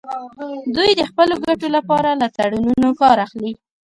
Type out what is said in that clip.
دوی د خپلو ګټو لپاره له تړونونو کار اخلي